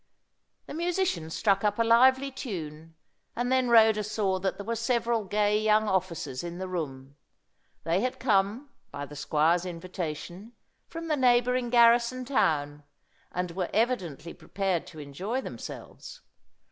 The musicians struck up a lively tune, and then Rhoda saw that there were several gay young officers in the room. They had come, by the squire's invitation, from the neighbouring garrison town, and were evidently prepared to enjoy themselves.